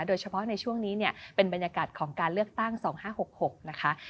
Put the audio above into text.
โดยเฉพาะในช่วงนี้เนี่ยเป็นบรรยากาศของการเลือกตั้ง๒๕๖๖นะคะ